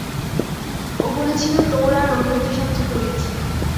ও বলেছিল তোর আর ওর মধ্যে সব চুকে গেছে।